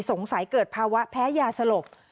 สงสัยเกิดภาวะแพ้ยาสลบ